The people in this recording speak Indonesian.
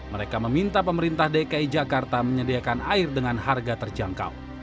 mereka meminta pemerintah dki jakarta menyediakan air dengan harga terjangkau